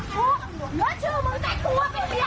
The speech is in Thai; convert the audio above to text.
ของรถยาว